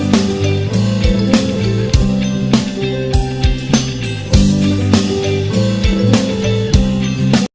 aku takut masalah sakit